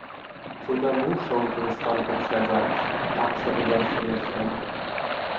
"Cuda muszą ten stan poprzedzać, tak sobie zawsze myślę."